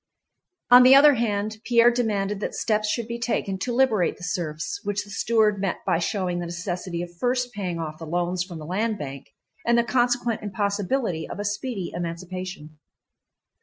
On the other hand, Pierre demanded that steps should be taken to liberate the serfs, which the steward met by showing the necessity of first paying off the loans from the Land Bank, and the consequent impossibility of a speedy emancipation.